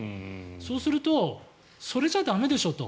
そうするとそれじゃ駄目でしょと。